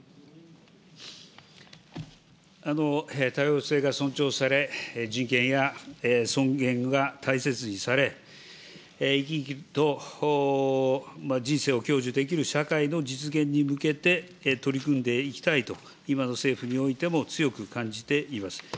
多様性が尊重され、人権や尊厳が大切にされ、生き生きと人生を享受できる社会の実現に向けて、取り組んでいきたいと、今の政府においても強く感じています。